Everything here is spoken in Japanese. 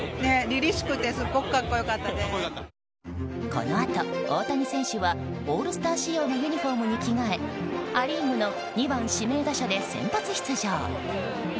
このあと、大谷選手はオールスター仕様のユニホームに着替えア・リーグの２番指名打者で先発出場。